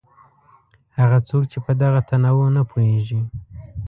هغه څوک چې په دغه تنوع نه پوهېږي.